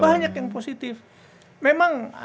banyak yang positif memang